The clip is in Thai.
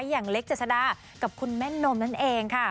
อย่างเล็กเจษดากับคุณแม่นมนั่นเองค่ะ